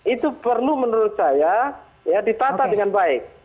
itu perlu menurut saya ditata dengan baik